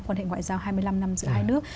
quan hệ ngoại giao hai mươi năm năm giữa hai nước